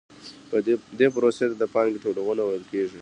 دې پروسې ته د پانګې ټولونه ویل کېږي